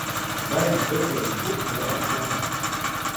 baymo bepaẏ but halaal oćaan